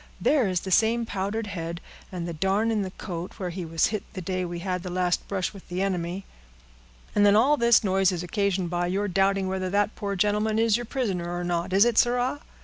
There is the same powdered head, and the darn in the coat, where he was hit the day we had the last brush with the enemy." "And then all this noise is occasioned by your doubting whether that poor gentleman is your prisoner, or not, is it, sirrah?